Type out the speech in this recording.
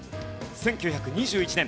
１９２１年。